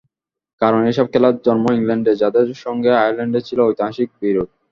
কারণ, এসব খেলার জন্ম ইংল্যান্ডে, যাদের সঙ্গে আয়ারল্যান্ডের ছিল ঐতিহাসিক বিরোধ।